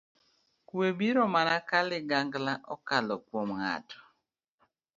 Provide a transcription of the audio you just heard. Kuwe biro mana ka ligangla okalo kuom ng'ato.